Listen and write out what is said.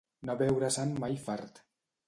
No veure-se'n mai fart.